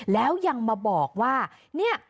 แล้วยังมาบอกว่าเนี่ย